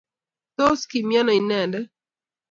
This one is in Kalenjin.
Tos kimiano inendet?